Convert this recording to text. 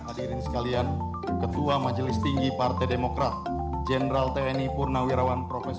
hadirin sekalian ketua majelis tinggi partai demokrat jenderal tni purnawirawan prof